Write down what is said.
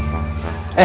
kok mau lagi ya neng